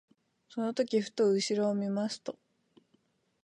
その時ふと後ろを見ますと、